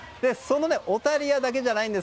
オタリアだけじゃないんです。